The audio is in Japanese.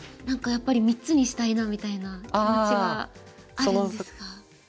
何かやっぱり３つにしたいなみたいな気持ちがあるんですが。